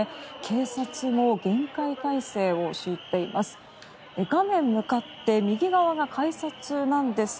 警察も厳戒態勢を敷いています。